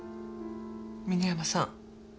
峰山さん。